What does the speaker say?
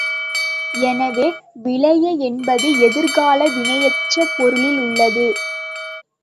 எனவே, விளைய என்பது எதிர்கால வினையெச்சப் பொருளில் உள்ளது.